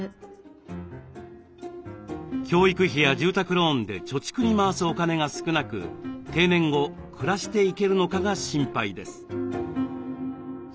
教育費や住宅ローンで貯蓄に回すお金が少なく定年後暮らしていけるのかが心配です。